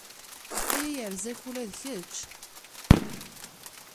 Aya yerza-k ula d kečč.